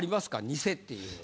偽っていうのは？